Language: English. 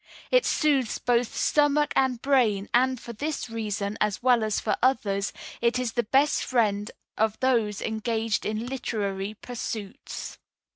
It soothes both stomach and brain, and for this reason, as well as for others, it is the best friend of those engaged in literary pursuits."